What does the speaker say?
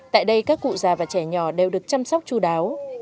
tại đây các cụ già và trẻ nhỏ đều được chăm sóc chú đáo